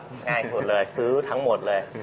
ง่ายสุดเลยซื้อทั้งหมดเลย